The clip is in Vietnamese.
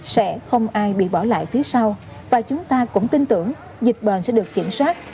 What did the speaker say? sẽ không ai bị bỏ lại phía sau và chúng ta cũng tin tưởng dịch bệnh sẽ được kiểm soát